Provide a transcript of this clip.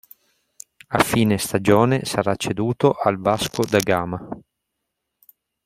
A fine stagione sarà ceduto al Vasco da Gama.